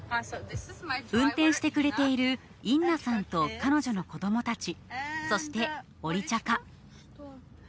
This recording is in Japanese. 運転してくれているインナさんと、彼女の子どもたち、そしてオリチャカ。